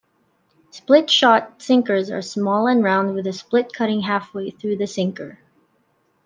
Split-shot sinkers are small and round with a split cutting halfway through the sinker.